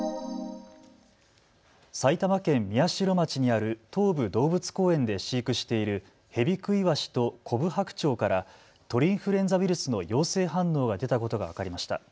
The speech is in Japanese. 埼玉県宮代町にある東武動物公園で飼育しているヘビクイワシとコブハクチョウから鳥インフルエンザウイルスの陽性反応が出たことが分かりました。